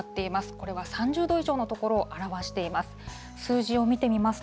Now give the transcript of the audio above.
これは３０度以上の所を表しています。